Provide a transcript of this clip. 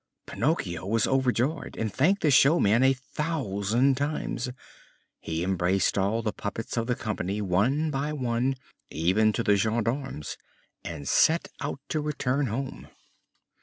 Pinocchio was overjoyed and thanked the showman a thousand times. He embraced all the puppets of the company one by one, even to the gendarmes, and set out to return home.